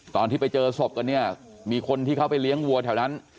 ตอนที่ไปเจอศพกันเนี่ยมีคนที่เขาไปเลี้ยงวัวแถวนั้น